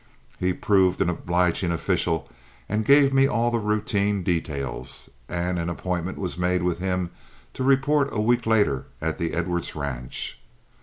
He proved an obliging official and gave me all the routine details, and an appointment was made with him to report a week later at the Edwards ranch.